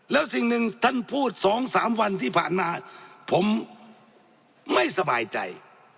แล้วสิ่งหนึ่งท่านพูด๒๓วันที่ผ่านมาผมไม่สบายใจ